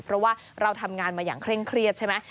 เพราะว่าเราทำงานมาอย่างเคร่งเครียดใช่ไหม